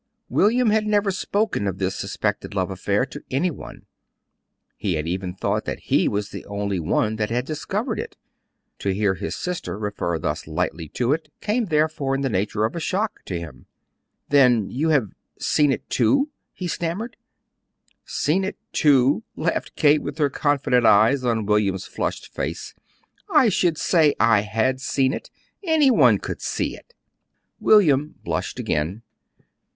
William had never spoken of this suspected love affair to any one. He had even thought that he was the only one that had discovered it. To hear his sister refer thus lightly to it came therefore in the nature of a shock to him. "Then you have seen it too?" he stammered "'Seen it, too,'" laughed Kate, with her confident eyes on William's flushed face, "I should say I had seen it! Any one could see it." William blushed again.